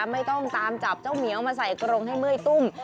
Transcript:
ไม่ต้องตามจับเจ้าเหมียวมาใส่กรงให้เมื่อยตุ้ม